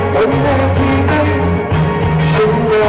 ขอบคุณทุกเรื่องราว